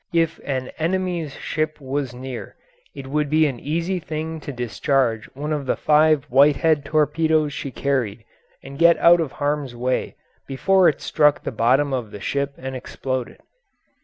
If an enemy's ship was near it would be an easy thing to discharge one of the five Whitehead torpedoes she carried and get out of harm's way before it struck the bottom of the ship and exploded.